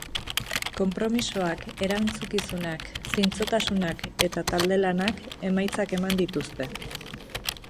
Konpromisoak, erantzukizunak, zintzotasunak eta talde lanak emaitzak eman dituzte.